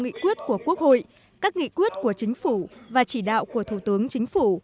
nghị quyết của quốc hội các nghị quyết của chính phủ và chỉ đạo của thủ tướng chính phủ